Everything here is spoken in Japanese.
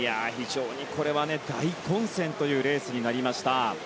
これは大混戦というレースになりました。